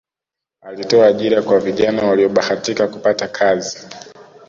alitoa ajira kwa vijana waliyobahatika kupata kazi